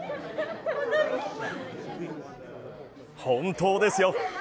本当ですよ！